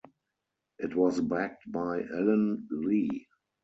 It was backed by Allen Lee.